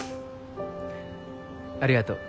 ありがとう。